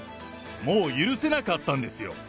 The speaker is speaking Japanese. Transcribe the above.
もう許せなかったんですよ。